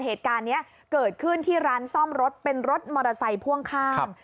เหตุการณ์นี้เกิดขึ้นที่ร้านซ่อมรถเป็นรถมอเตอร์ไซค์พ่วงข้าง